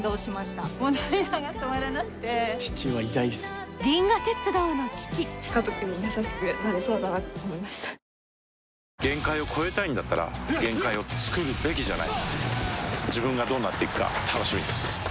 「アサヒスーパードライ」限界を越えたいんだったら限界をつくるべきじゃない自分がどうなっていくか楽しみです